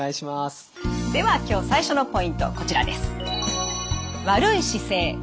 では今日最初のポイントこちらです。